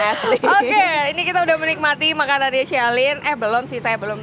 oke ini kita udah menikmati makanannya shaline eh belum sih saya belum